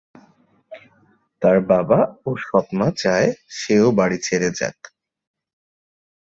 তার বাবা ও সৎ মা চায় সেও বাড়ি ছেড়ে যাক।